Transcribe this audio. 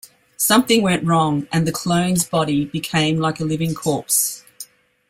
Something went wrong and the clone's body became like a living corpse.